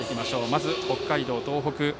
まず北海道・東北。